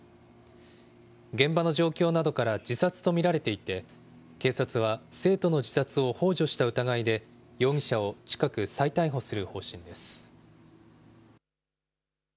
現場の状況などから自殺と見られていて、警察は生徒の自殺をほう助した疑いで、容疑者を近く、再逮捕する方針です。